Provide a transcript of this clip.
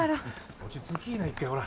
落ち着きぃな一回ほら。